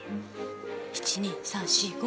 １２３４５